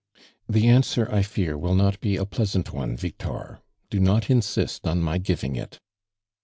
"The answer, 1 fear, will not be a [)lea sajit one, Victor. Do not insist on my giving it!"